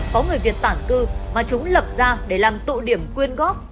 có người việt tản cư mà chúng lập ra để làm tụ điểm quyên góp